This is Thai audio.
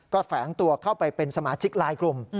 ก็แฝงตัวเข้าไปเป็นสมาชิกลายกลุ่ม